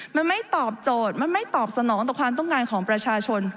มันไม่ตอบโจทย์มันไม่ตอบสนองต่อความต้องการของประชาชน